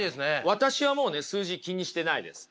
私はもうね数字気にしてないです。